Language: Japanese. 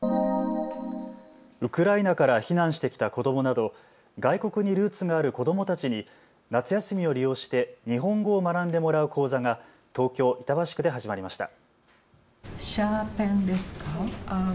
ウクライナから避難してきた子どもなど外国にルーツがある子どもたちに夏休みを利用して日本語を学んでもらう講座が東京板橋区で始まりました。